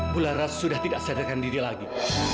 bulara sudah tidak sadarkan diri lagi